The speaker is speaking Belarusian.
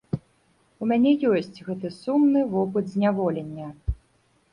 У мяне ёсць гэты сумны вопыт зняволення.